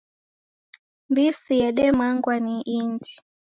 Mbisi yedemangwa ni indi